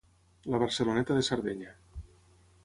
la Barceloneta de Sardenya